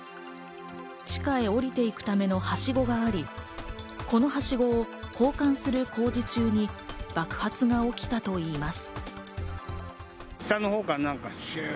地下へ下りていくためのはしごがあり、このはしごを交換する工事中に爆発が起きたといいます。